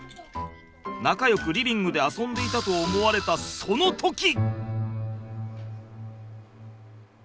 仲よくリビングで遊んでいたと思われたその時。